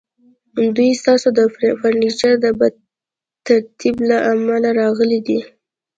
دوی ستاسو د فرنیچر د بد ترتیب له امله راغلي دي